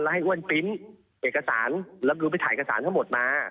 ให้อ้วนปริ้นต์เอกสารรับรู้ไปถ่ายเอกสารทั้งหมดมา